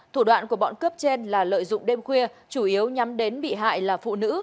thủ đoạn của bọn cướp trên là lợi dụng đêm khuya chủ yếu nhắm đến bị hại là phụ nữ